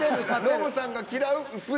ノブさんが嫌う薄い。